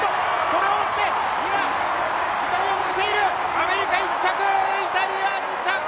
アメリカ１着、イタリア２着